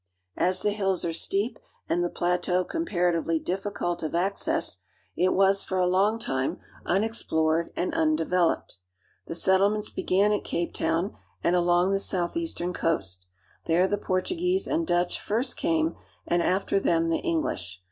As the hills are steep and the plateau comparatively difficult of access, it was for a long time unexplored and undeveloped. The settlements began at Cape Town and along the southeastern coast; there the Portuguese and Dutch first came, and after them the English.